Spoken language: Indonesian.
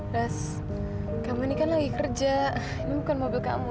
terus kamu ini kan lagi kerja ini bukan mobil kamu